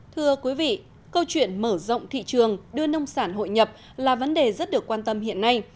thưa quý vị câu chuyện mở rộng thị trường đưa nông sản hội nhập là vấn đề rất được quan tâm hiện nay